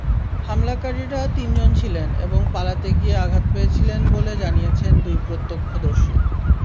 হামলাকারীরা তিনজন ছিলেন এবং পালাতে গিয়ে আঘাত পেয়েছিলেন বলে জানিয়েছেন দুই প্রত্যক্ষদর্শী।